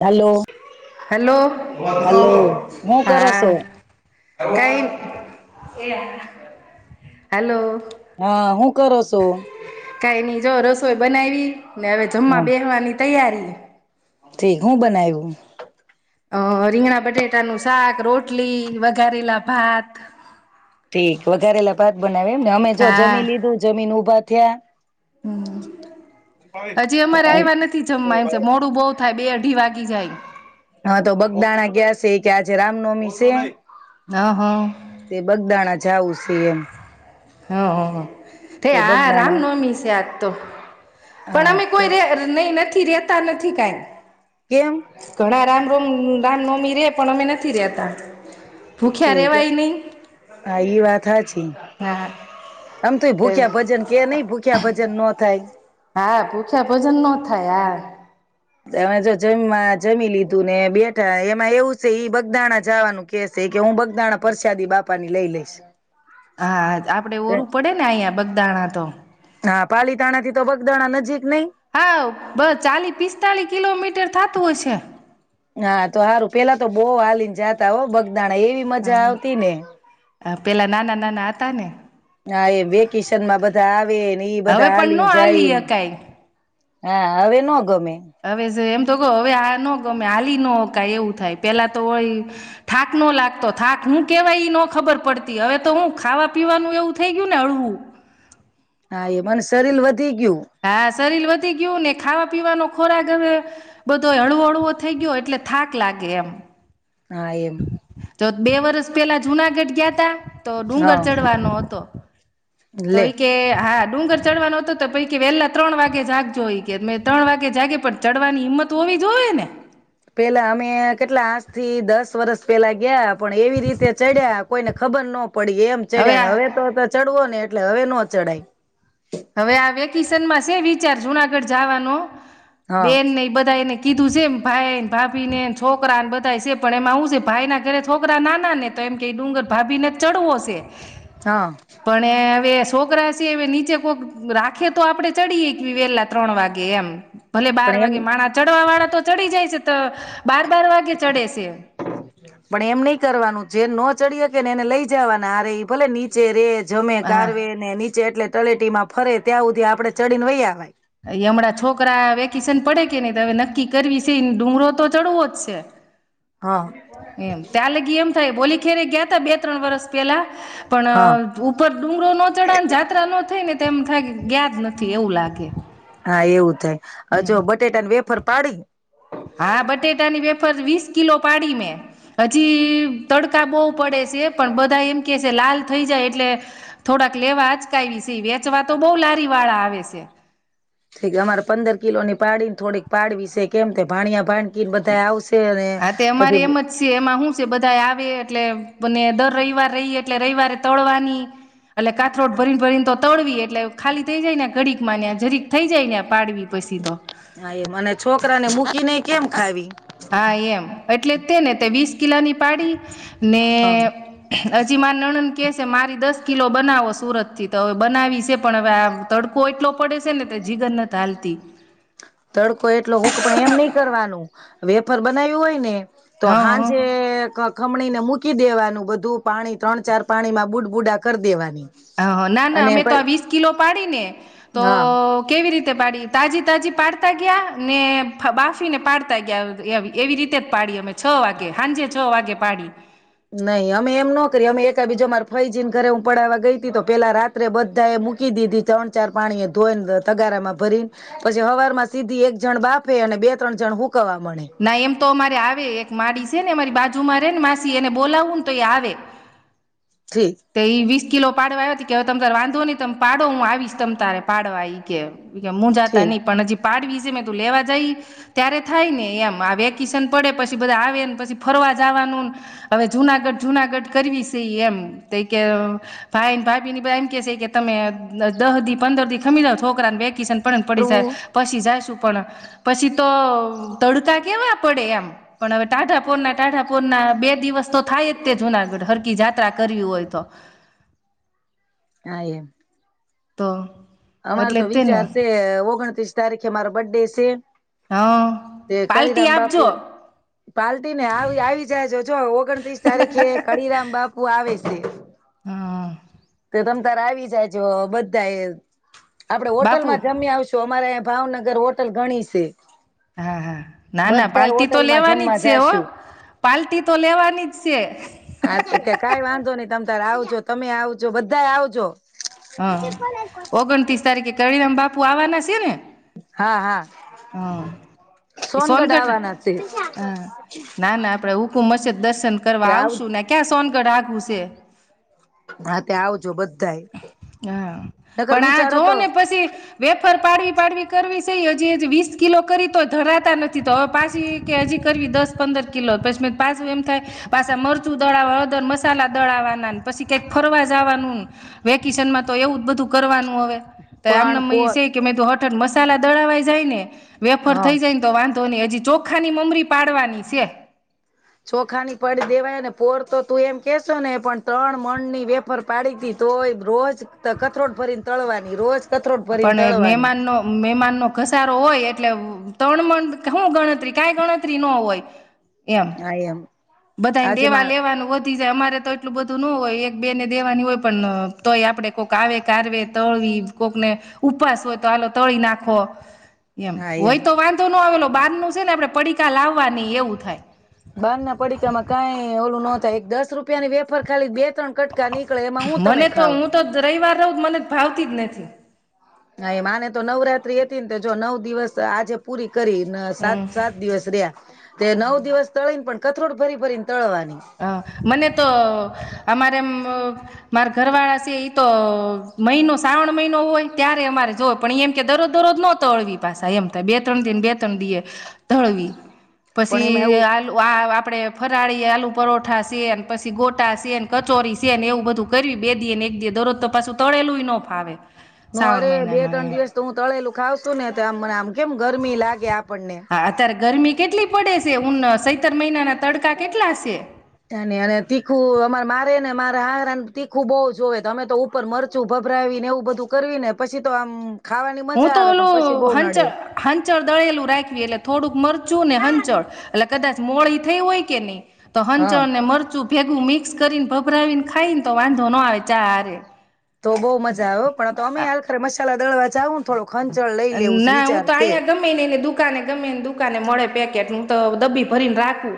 Hello hello hello હું [inaudible] કરો હા. છો કંઈ [inaudible] હલો. હા, હું કરો સો? રસોય બનાયવી ને અવે જમવા બેહવાની. તૈયારી ઠીક. હું બનાયવું? અ રીંગણા બટેટાનું શાક રોટલી વઘારેલા ભાત ઠીક વ ઘરેલા ભાત બનાવ મને અમે જો જમીન લીધું જમીન ઉભા ત્યા હમ હજી અમારે આવ્યા નથી જમવા એમ છે મોડું બહુ થાય બે અઢી વાગી જાય હ તો બગદાણા કયાં છે કે આજે રામનવમી છે હ હ જાઉ છે એમ હ હ હ તે આ આજ રામનવમી છે આજે તો પણ હા અમે કોઈ ર નહી નથી રહેતા નથી કઈ કેમ ઘણા રામ રમ રામ? નવમી રહે પણ અમે નથી રહેતા નથી રહેતા ભૂખ્યા ઠીક રેવાય નહ હા ઈ વાત હાચી આમ તો એ ભૂખ્યા ભજન કે નહી ભૂખ્યા ભજન ન થાય હા ભૂખ્યા ભજન નો થાય આ અમે જો જમમાં જમી લીધું ને બેઠા એમાં એવું છે ઈ બગદાણા જવાનું કે છે કે હું બગદાણા પરસાદી બાપા ની લઈ લઈશ હા તો આપડે ઓરું પડે ને અહંયા બ દાણા તો હા પાલીતાણા થી તો બગદાણા નજીક નઈ હા બસ ચાલી પિસ્તાલીસ કિલોમીટર થાત તુ હશે હા તો સારું પેલા તો બહ હલીને જાતા [unintelligible] બગ દાણા એવી મજા આવતી હા ને પેલા નાના નાના હતા ને હા એ વેકેશન માં બધા આવેને એ હવે બધા પણ ન હાલીને જાય હાલી ને હકાય હા હવે એ ન ગમે હવે એમ તો કહ હવે આ ન ગમે હાલી ન ક એવું થાય પેલા તોય થાક નો લાગતો થાક હું કેવાય ન ખબર પડતી હવે તો હું ખાવા પીવાનું એવું થઈ ગયું ને હળવું હા એક વાર શરીર વધે હા શરીર વધી ગયું ને ખાવા પીવાનો ખોરાક હવે બધો હળવો હળવો થઈ ગયો એટલે થાક લાગે એમ હા એમ તો બે વર્ષ પેલા જુનાગઢ ગયા ત તો ડુંગર હા ચડવાનો હતો. તોય લે કે હા. ડુંગર ચડવાનો હતો તો પૈકી વહેલા ત્રણ વાગે જાગજો હોય કે મે ત્રણ વાગે જાગે પણ ચડવાની હિંમત હોવી જોઈએ ને! પેલા અમે કેટલા આજ થી દસ વરસ પેલા ગયા પણ એવી રીતે ચડ્યા કોઈને ખબર નો પડી ગ એમ ચડ્યા ને હવે તો ચડવો ને એ એટલે હવે નો ચડાય. હવે આ વેકેશનમાં સે વિચાર જુનાગઢ જવાનો. હા બેન ને બધા એને કીધું છે, એમ ભાઈને, ભાભી, ને છોકરા ને બધા છે. પણ એમાં હું છે ભાઈના ઘરે છોકરા નાના ને તો એમ ક ડુંગર ભાભીને જ ચડવો છે. હા પણ એ વસ છોકરાસી એ નીચે રાખે તો આપડે ચડીએ વેલા ત્રણ વાગે એમ. ભલે બાર પણ એમ વાગે માણા ચડવા વાળા તો ચડી જાય છે, તો બાર બાર વાગે ચડે છે. પણ એમ નહી કરવાનું જે ન ચડી હકે ને એને લઈ જવાના આ ર ભલે નીચે રેજ જમે હા કારવે ને નીચે એટલે તલેટીમાં ફરે ત્યાં સુધી આપણે ચડીને વહીં આવાય. હમણાં છોકરા વેકિશન પડે કે નહી હવે નક્કી કરવી છે ડુંગરો તો ચડવો જ છે. હા એમ ત્યાં લગી એમ થાય બોલી જ્યારે ગયા ત બે ત્રણ વરસ પહેલા હા પણ ઉપર ડુંગરો ન ચઢાન‌ જાત્રા ન થઈ ને તેમ થાય ગયા નથી એવું લાગે. હા એવું થાય હ જો એમ બટેટા વેફર પાડી! હા બટેટા ની વે વેફર વીસ કિલો પાડી મે. હજી તડકા બહુ પડે છે. ફર પણ બધા એમ કે છે લાલ થઈ જાય એટલે થોડાક લેવા અચકાવી છે. વેચવા તો બહ લારી વાળા આવે છે. [inaudible] અમારે પંદર કિલોની પાડીને, થોડીક પાડવી છે કેમકે ભાણીયા ભાસ્કર બધાય આવશે અને હા તે અમારે પછી એમ જ છે એમાં શું છે. બધા આવે એટલે અને દર રવિવાર રહી એટલે રવિવારે તળવાની એટલે કાથરોડ ભરીને ભરીને તો તળવી એટલે ખાલી થઈ જાય ને ઘડી મા જરીક થઈ જાય ને પાડવી પછી તો હા એ મને છોકરા ને મૂકી નઈ કેમ ખાવી. હા એમ એટલે. તે ને તે વીસ કિલાની પાડી. ને. હા હજી મા નણન કે છે મારી દસ કિલો બનાવો સુરત થી તો હવે બનાવી છે પણ હવે આ તડકો એટલો પડે છે ને તે જીગર નથીાલતી. તડકો એટલો હુક પણ એમ નહી કરવાનું વેફર બનાવ્યું હોય ને. તો હ હા હ જે. ખમણીને મૂકી દેવાનું બધું પાણી ત્રણ ચાર પાણી માં બુડ બુડા કરી દેવાની. હ ના ના અને અમે તો આ વીસ કિલો પાડી ને તો હા કેવી રીતે. પાડી તાજી તાજી પાડતા ગયા ને બાફીને પાડતા ગયા એવી રીતે જ પાડી અમે છ વાગે સાંજે છ વાગે પાડી. નહી અમે એમ નો કરી અમે એકા બીજા મા ફૈજીન ઘરે હું પડવા ગઈ ત તો પેલા રાત્રે બધા એ મૂકી દીધી ત્રણ ચાર પાણી એ ધોઈ તગારામાં ભરીને પછી હવાર માં સીધી એક જણ બાફે અને બે ત્રણ જણ હ. ના એમ તો અમારે આવે એક માડી છે ને અમારી બાજુ. હજુમાંરે ને માસી એને બોલાવું ને તો એ આવે. ઠીક તેવીસ. કિલો પાડવા આવ્યો કે ત વાંધો નહી ત પાડો હું આવીશ તમ ત પાડવા કે. હું જાતા ઠીક નની પણ જે. પાડવી છે મે તું લેવા જાય ત્યારે થાય ને એમ આ વેકેશન પડે પછી બધા આવેને પછી ફરવા જવાનું ને હવે જુનાગઢ જુનાગઢ કરવી છે એમ. કે ભાઈ ભાભી ને બધા એમ કે છે કે તમે દસ દી પંદર દી ખમી જાવ છોકરાને વેકેશન. પણ પડી જાય પછી જાય શું. પણ પછી તો તડકા કેવા પડે એમ પણ હવે ટાઢાપોરના ટાઢાપોરના બે દિવસ તો થાય જ તે જુનાગઢ હરકી જાત્રા કરવી હોય. તો. હ એમ. તો. અમાર એટલે તો જ તેને વિચાર છે ઓગણત્રીસ તારીખ. કે મારા બ ડેસે. હા તે પાલટી કળીરામ બાપુ આપજો પાલ્ટ ને આવી આવી જાયજો જો ઓગણત્રીસ તારીખે કળીરામ બાપુ આવે છે હા તો તમ. આવી જાય જો બધા એ. આપડે બાપુ હોટલમાં જમી આવશું અમારે. ભાવનગર હોટલ ગણી છે. હા હા ના ના બધા પાલ્ટી તો હોટલમાં લેવાની જમવા જ છે ઓ જાશું. પાલ્ટી તો લેવાની જ છે. હા કે કઈ વાંધો નહી તમ આવજો તમે આવજો બધા આવજો. હા ઓગણતીસ. તારીખે કરીરામ બાપુ આવવાના છે ને. હા હા હ એ સોનગઢ હ આવવાના છે ના ના આપડે હ કુંમસ છે. દર્શન તે કરવા આવ આવશું ને ક્યાં સોન. ગડા ઘુસે. હા ત્યાં આવજો બધા હા પણ આ વિચાર જોઓ હતો ને પછી વેફર પાડવી પાડવી કરવી છેઈ હજી વીસ કિલો કરી તો ધરાતા નથી તો હવે પાછી કે હજી કરવી દસ પંદર કિલો પછી મે પાછું એમ થાય પાછા મરચું દળાવ મસાલા દળાવાના પછી કઈક ફરવા જવાનું વેકેશન માં તો એવું બધું કરવાનું તો એમને પણ એ પોર હસે કે પા મસાલા દળવાઈ જાય ને વેફર હા થઈ જાય ને તો વાંધ તો નહી હજી ચોખાની મમરી પાડવાની છે ચોખાની પડી દેવાયને પોર તો તું એમ કેશો ને પણ ત્રણ મણ ની વેફર પાડી ત તો રોજ કથરોટ ફરીને તળવાની રોજ કથરોટ ભરીને પણ એ તળવાની મહેમાનનો મેમાનનો ઘસારો હોય એટલે ત્રણ મન હું ગણતરી કઈ ગણતરી ન હોય. એમ હા એમ. બધાને આજે દેવા હા દેવાનું હોત. થી જાય અમારે તો એટલું બધું ન હોય એક બે ને દેવાની હોય પણ તોય આપડે કોઈક આવે કાર તળી કોકને ઉપવાસ હોય તો આલો તળી નાખો. એમ હોય તો વાંધો ન આવેલો. બહાર નું છે ને આપડે પડીકા લાવવાની એવું થાય. બંધ. પડીકામાં કઈ ઓલું નો થાય એક દસ રૂપિયા ની વેફાર ખાલી બે ત્રણ કટકા નીકળે એમાં હું તમે મને તો ખાવ હું તો રવિવાર રહું જ મને ભાવતી જ નથી. હ એ માને તો નવરાત્રી એ હતી ને તો જો નવ દિવસ આજે પૂરી કરી સાત હમ સાત દિવસ રહ્યા તે નવ દિવસ તળી ને પણ કથેરોડ ભરી ભરી બરીન. હ મને તો અમારે એમ અ મારા ઘરવાળા છે ઈ તો મહિનો શ્રાવણ મહિનો હોય ત્યારે અમારે જોય પણ એ એમ કે દરરોજ દરોજ ન તળવી પાછા એમ થાય બે ત્રણ દને બે ત્રણ દિ એ તળવી. પણ પછી એમાં એવું આલુ વા આપડે ફરાળી આલુ પરોઠા સી ને પછી ગોટા સી ને કચોરી સી ને એવું બધું કર બે દી ને એક દ દરરોજ તો પાછું તળેલું ન ફાવે. હું શ્રાવણ અરે બે ત્રણ મહિનામાં દિવસ તો હું તળેલું ખાવ છું ને તો આમ મને આમ કેમ ગરમી લાગે આપણને. હા અત્યારે ગરમી કેટલી પડે છે. ઉન સૈ અને તીખું અમાર મારે ને મારે હહાર તીખું બહુ જોવે તમે તો ઉપર મરચું ભભરાવી ને એવું બધું કરવી ને પછી તો આમ ખાવાની હું મજા તો આવે પણ ઓલું પછી બહુ હંચ નડે હંચળ દળેલું રાખવી એટલે થોડુંક મરચું ને હંચડ. એટલે કદાચ મોડી થઈ હોય કે નહી તો હા હંચળ ને મરચું ભેગું મિક્સ કરીને ભભરાવીને ખાઈને તો વાંધો ન આવે ચા હારે. તો બહુ મજા હો પણ તો અમે હાલ ખરા મસાલા દળવા જાાવુ થોડું. ખંચળ લઈ લેવું ના હું વિચાર તો છે અહીંયા ગમે ને એને દુકાને ગમેને દુકાને મળે. પેકેટ હુ ત દબ્બી ભરીને રાખું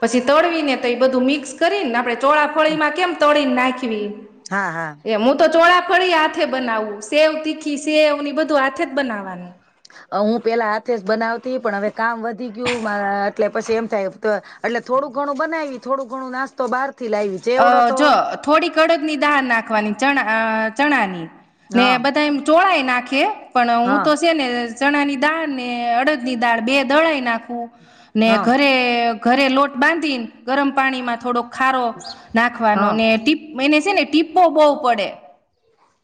પછી તળવીને તો એ બધું મિક્સ કરીને આપ ચોળાફોળીમાં કેમ તળી નાખવી. હા હા એ હું તો ચોળ્યા ફળી હાથે બનાવવું સેવ તીખી સેવ ની બધું હાથે. બનાવાનું. હું પેલા હાથે જ બનાવતી પણ હવે કામ વધી ગયું મારા એટલે પછી એમ થાય એટલે થોડું ઘણું બનાવી થોડું ઘણું નાસ્તો બહાર થી લાવી અ જેવડો તો જો થોડી કડદ ની દાર નાખવાની. ચણા ચણાની. ને હા બધા એમ ચોરાઈ. નાખે. પણ હું હા તો છે ને ચણા ની દાળ ને અડદ ની દાળ બે દળાઈ નાખું. ને હા ઘરે ઘરે લોટ બાંધીને ગરમ પાણીમાં થોડોક ખારો હા નાખવાને ટીપ એને છે ને ટીપો બહુ પડે.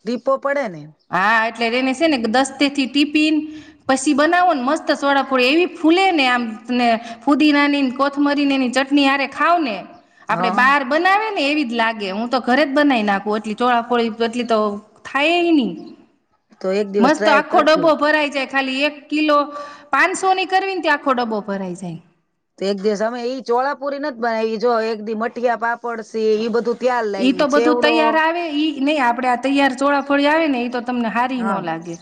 દીપો પડે ને. હા એટલે એને છે ને દસ્તે થી ટિપિન પછી બનાવો ને મસ્ત સોડાફોડી એવી ફૂલે ને આમ ને ફુદીનાની કોથમરીને એની ચટણી આરે ખાવ ને આપડણે હા બાર આવે ને એવી જ લાગે હું તો ઘરે જ બનાવી નાખું એટલી ચોળાફોળી એટલી તો થાય નહી તો એક દિવસ મસ્ત ટ્રાય આખખોટો કરશું ભ ભરાય જાય. ખાલી એક કિલો પાંચસો ની કરવી ત્યા ખો ડબો ભરાય જાય. તો એક દિવસ અમે ઈ ચોળાપુરી નથી બનાવી જો એક દી મઠીયા પાપડ સી એ બધું. ત્યાર ઈ લાવી તો બધું ચેવડો તૈયાર આવે ઈ નહ આપડે આ તૈયાર ચોળા ફળી આવે ને એ તો તમને હારી નો હા લાગે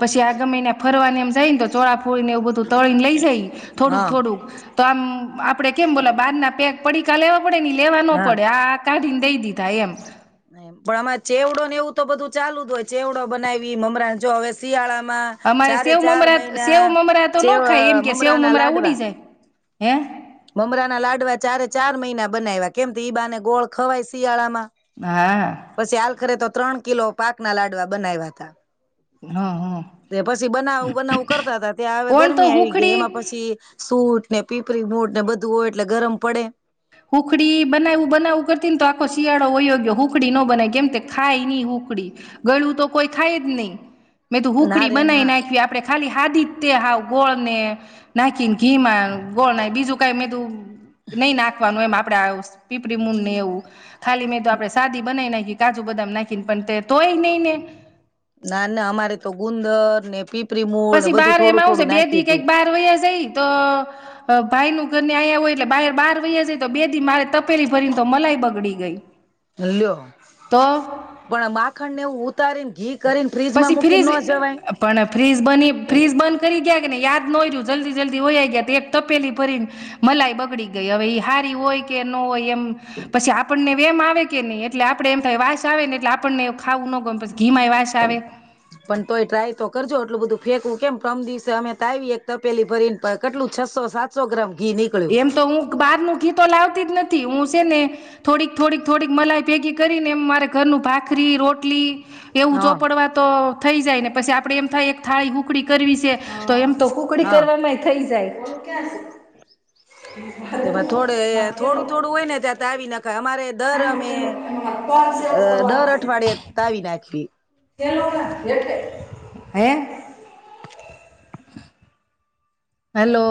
પછી આ ગમી ને ફરવાની એમ જાય ને તો ચો હો ઈ ને એવું બધું તળીને લઈ જાય ઈ થોડુંક હા થોડુંક તો આમ આપડે કેમ બોલા બારના પેક પડીકા લેવા પડે લેવાનો હા પડે આ તા દિન દેય દીધા એમ. પણ આમાં ચેવડો ને એવું તો બધું ચાલુ જ હોય ચેવડો બનાવી મમરા જો હવે શિયાળામાં અમારે ચારે સેવ ચાર મમરા મહિના સેવ મમરા તો ન ચેવ ખાય એમ કે સેવ ના મમરા લાડવા ઉડી જાય. હેં. મમરા ના લાડવા ચારે ચાર મહિના બનાવ્યા કેમ ઈબાને ગોળ ખવાય શિયાળા માં. હા પછી હાલ ખરે તો ત્રણ કિલો પાચ. ના લાડવા બનાવ્યા હતા. હ હ તે પછી બનાવવું બનાવવું કરતા હતા ત્યાં હ ઓણ તો ગરમી આવી ગઈ હુખડી એમાં પછી સૂટ. ને પીપરી મૂડ ને બધું હોય એટલે ગરમ પડે. હખડી બનાવું બનાવું કરતી ને તો આખો શિયાળો અયોગ્ય હખડી નો બનાય કેમ કે ખાય નહી હખડી ગળું તો કોઈ ખાય જ નહી. મેં તો ના હખડી રે ના બનાવી નાખી આપણે ખાલી હાદી. તે હાવ ગોળ ને નાખી ઘીમાં ગોળ ના બીજું કઈ મે તું. નહી ના. મ આપડે પીપળી મૂનને એવું. ખાલી મેં તો આપે સાદી બનાવી ના. કાજુ બધા નાખીને પણ તે તોય નહી ને. ના ના અમારે તો ગુંદર ને પી. પછી બહાર એમ આવશે બે દ કઈક બાર વ્યા જઈ તો. ભાઈ નું ઘરને આવ્યા હોય એટલે બાર બહાર વૈયા જ તો બેદી મારે તપેલી ભરીને તો મલાઈ બગડી ગઈ. લ તો પણ બાક. નેવ ઉતારન ઘી. કરીને ફ્રીજમાં પછી મૂકી ફ્રીજ ન જવાય પણ ફ્રીજ બની ફ્રીજ બંધ. કરી ગયા કે ને યાદ ન હોય રહું જલ્દી જલ્દી હોઈ ગયા તો એક તપેલી ભરીને મલાઈ બગડી ગઈ હવે એ હારી હોય કે ન હોય એમ પછી આપણને એમ આવે કે નહી એટલે આપડે એમ થાય વાસ આવે ને એટલે આપણને ખાવું ન ગ પછી ઘીમાય વાસ આવે. બરા. પણ તોય ટ્રાય તો કરજો એટલું બધું ફેંકવું કેમ કમ દિવસે અમે તો આવીએ એક તપેલી ફરી ને કેટલું છસો સાતસો ગ્રામ. ઘી નીકળ્યું એમ તો હું બહાર ન ગીતો લાવતી જ નથી. હું છે ને થોડીક થોડીક થોડીક મલાઈ ભેગી કરીને એમ મારે ઘરનું ભાખરી રોટલી. એ હા ઊંચો પડવા તો. થઈ જાય ને પછી આપડેમ થાય એક થાળી હુકડી કરવી છે તો એમ તો કુકડી હા [unintelligible] થઈ જાય [unintelligible] થોડે થોડું થોડું હોય ને ત્યાં તાવી નાખાય અમારે દર અમેઅ દર અઠવાડિયે તાવી નાખી [inaudible] હેલો